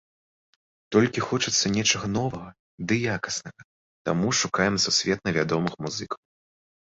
Толькі хочацца нечага новага ды якаснага, таму шукаем сусветна вядомых музыкаў.